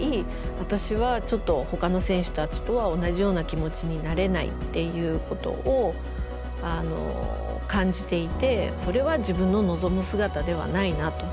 私はちょっとほかの選手たちとは同じような気持ちになれないっていうことを感じていてそれは自分の望む姿ではないなと。